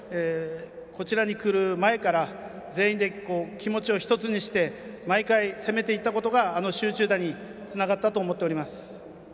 こちらに来る前から全員で気持ちを１つにして毎回、攻めていったことがあの集中打につながったと思っています。